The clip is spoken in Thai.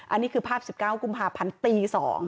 อันนี้คือภาพ๑๙กุมภาพันธ์ตี๒